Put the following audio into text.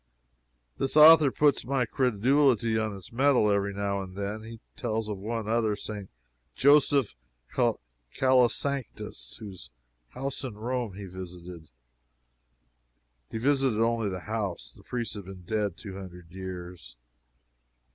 This author puts my credulity on its mettle every now and then. He tells of one St. Joseph Calasanctius whose house in Rome he visited; he visited only the house the priest has been dead two hundred years.